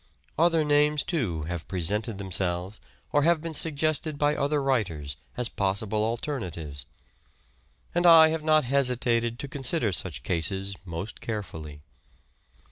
Other names, too, have presented them selves or have been suggested by other writers as THE SEARCH AND DISCOVERY 143 possible alternatives, and I have not hesitated to consider such cases most carefully.